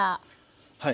はい。